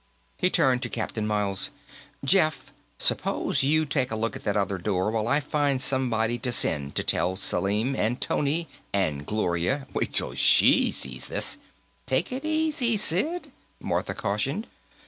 He turned to Captain Miles. "Jeff, suppose you take a look at that other door, while I find somebody to send to tell Selim and Tony. And Gloria; wait till she sees this " "Take it easy, Sid," Martha cautioned.